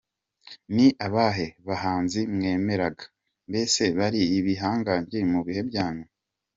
Ni abahe bahanzi mwemeraga, mbese bari ibihangange mu bihe byanyu?.